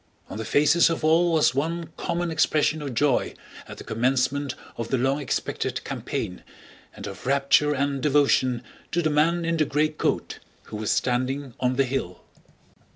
On the faces of all was one common expression of joy at the commencement of the long expected campaign and of rapture and devotion to the man in the gray coat who was standing on the hill.